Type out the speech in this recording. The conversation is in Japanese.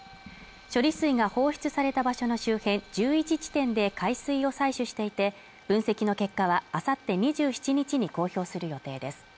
処理水が放出された場所の周辺１１地点で海水を採取していて分析の結果はあさって２７日に公表する予定です